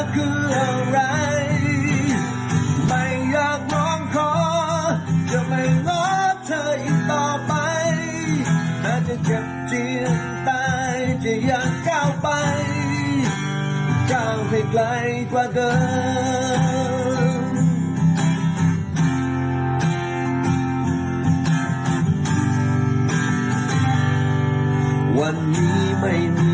เจ็บจนกินไปไม่อยากรอให้ใครเห็น